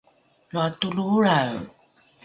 loa toloholrae!